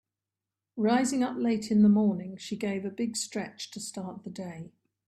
Rising up late in the morning she gave a big stretch to start the day.